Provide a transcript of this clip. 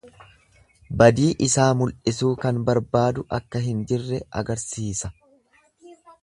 Badii isaa mul'isuu kan barbaadu akka hin jirre agarsiisa.